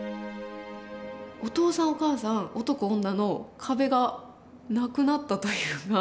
お父さんお母さん男女の壁がなくなったというか。